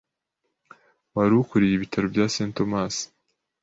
wari ukuriye ibitaro bya St Thomas